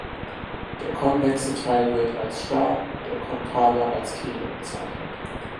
Der konvexe Teil wird als Stab, der konkave als Kehle bezeichnet.